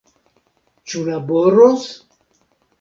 Ĉu laboros?